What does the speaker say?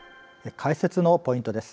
解説のポイントです。